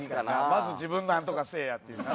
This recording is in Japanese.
まず自分なんとかせえやっていうな。